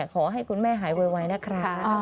ขอให้คุณแม่หายวัยนะคะ